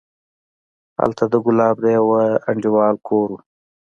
هلته د ګلاب د يوه انډيوال کور و.